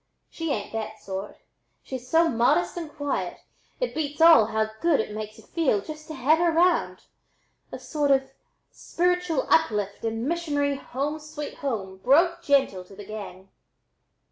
She ain't that sort. She's so modest and quiet it beats all how good it makes y'u feel just to have her round; a sort of spiritual uplift and missionary 'home sweet home' broke gentle to the gang."